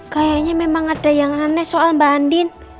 kayaknya memang ada yang aneh soal mbak andin